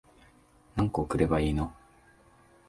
何個送ればいいの